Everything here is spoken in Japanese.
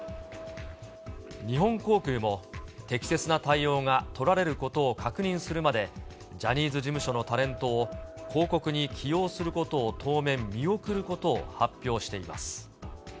日本航空も、適切な対応が取られることを確認するまで、ジャニーズ事務所のタレントを広告に起用することを当面見送ることを発表しています。